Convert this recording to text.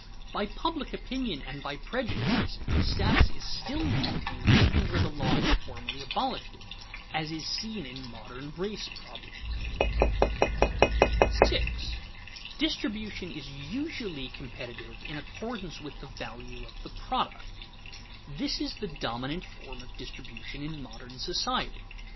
By public opinion and by prejudices, status is still maintained even where the law has formally abolished it, as is seen in modern race problems. [Sidenote: Competitive distribution the dominant form] 6. Distribution is usually competitive in accordance with the value of the product. This is the dominant form of distribution in modern society.